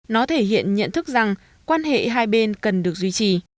nó thể hiện nhận thức rằng quan hệ hai bên cần được duy trì